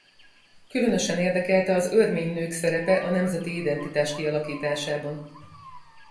Különösen érdekelte az örmény nők szerepe a nemzeti identitás kialakításában.